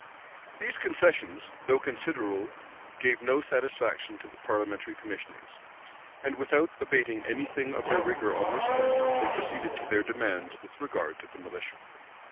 [*]* Dugdale, p. 779, 780. These concessions, though considerable gave no satisfaction to the parliamentary commissioners; and, without abating any thing of their rigor on this head, they proceeded to their demands with regard to the militia.